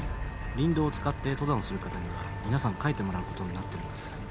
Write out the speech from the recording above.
林道を使って登山をする方には皆さん書いてもらうことになってるんです。